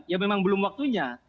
ya memang belum waktunya